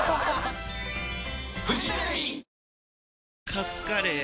カツカレー？